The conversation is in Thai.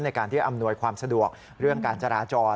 ในการที่อำนวยความสะดวกเรื่องการจราจร